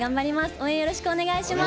応援よろしくお願いします。